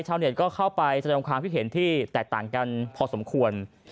ชาวเนียนก็เข้าไปจะต้องค้างพิเศษที่แตกต่างกันพอสมควร